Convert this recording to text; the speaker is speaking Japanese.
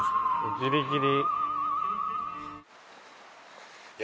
ギリギリ。